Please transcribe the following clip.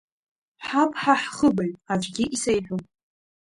Ҳаб, ҳа ҳхыбаҩ, аӡәгьы исеиҳәом…